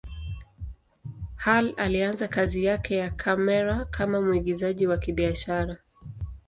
Hall alianza kazi yake ya kamera kama mwigizaji wa kibiashara.